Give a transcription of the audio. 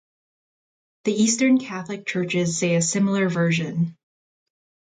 The Eastern Catholic Churches say a similar version.